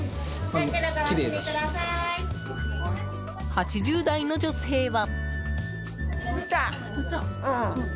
８０代の女性は。